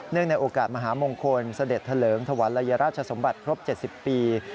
ในโอกาสมหามงคลเสด็จเถลิงถวันลัยราชสมบัติครบ๗๐ปี